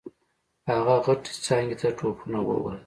هغه غټې څانګې ته ټوپونه ووهل.